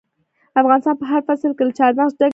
افغانستان په هر فصل کې له چار مغز ډک دی.